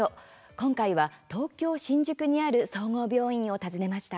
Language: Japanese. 今回は東京・新宿にある総合病院を訪ねました。